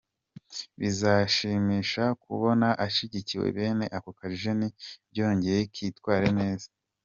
Bizanshimisha kumubona ashyigikiwe bene aka kageni byongeye yitwara neza.